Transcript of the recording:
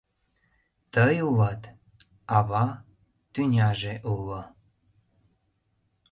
Тый улатат, Ава, тӱняже уло.